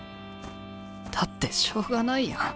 だってしょうがないやん。